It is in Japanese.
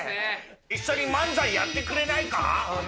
一緒に漫才やってくれないか？